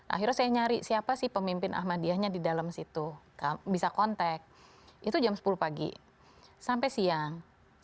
akhirnya saya nyari siapa sih pemimpin ahmadiyahnya di dalam situ bisa kontak itu jam sepuluh pagi sampai siang